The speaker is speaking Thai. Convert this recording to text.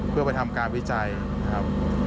เพื่อไปทำการวิจัยครับ